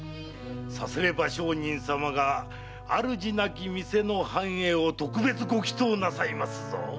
さすれば上人様が主なき店の繁栄を特別ご祈なさいますぞ。